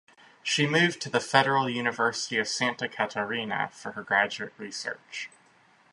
She moved to the Federal University of Santa Catarina for her graduate research.